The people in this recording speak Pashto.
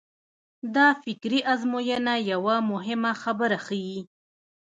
دا فکري ازموینه یوه مهمه خبره ښيي.